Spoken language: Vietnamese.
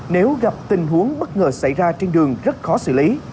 nếu gặp tình huống bất ngờ xảy ra trên đường rất khó xử lý